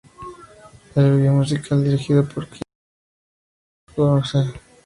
El video musical dirigida por Kim Gordon y Spike Jonze.